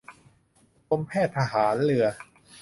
กรมแพทย์ทหารเรือ